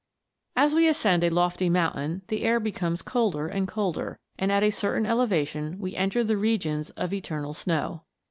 As we ascend a lofty mountain the air becomes colder and colder, and at a certain elevation we enter the regions of eternal snow.